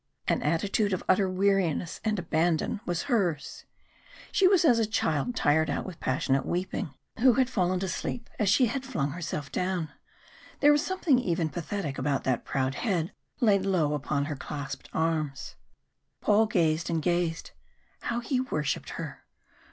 An attitude of utter weariness and abandon was hers. She was as a child tired out with passionate weeping, who had fallen to sleep as she had flung herself down. There was something even pathetic about that proud head laid low upon her clasped arms. Paul gazed and gazed. How he worshipped her!